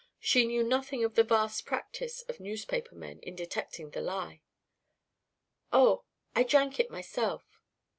She knew nothing of the vast practice of newspaper men in detecting the lie. "Oh I drank it myself."